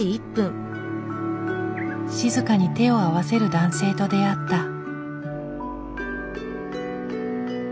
静かに手を合わせる男性と出会った。